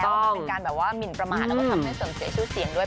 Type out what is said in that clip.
เป็นการแบบว่ามินประมาณแล้วก็ทำให้เสริมเสียชู้เสียงด้วย